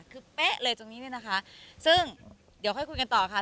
คือเป๊ะเลยตรงนี้เนี่ยนะคะซึ่งเดี๋ยวค่อยคุยกันต่อค่ะ